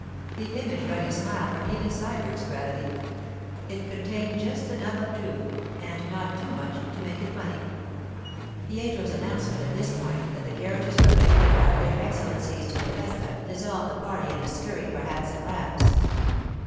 The image wrung a smile from even Sybert's gravity; It contained just enough of truth, and not too much, to make it funny. Pietro's announcement, at this point, that the carriages were ready to drive their excellencies to the festa dissolved the party in a scurry for hats and wraps.